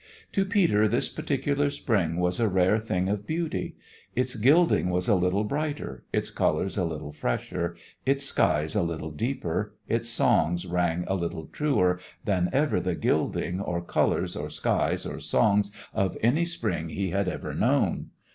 To Peter this particular spring was a rare thing of beauty. Its gilding was a little brighter, its colours a little fresher, its skies a little deeper, its songs rang a little truer than ever the gilding or colours or skies or songs of any spring he had ever known.